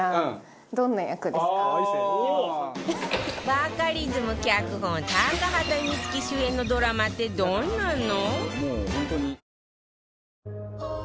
バカリズム脚本高畑充希主演のドラマってどんなの？